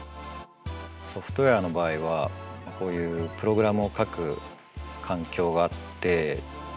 ソフトウェアの場合はこういうプログラムを書く環境があって。